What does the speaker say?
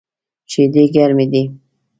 شیدې ګرمی دی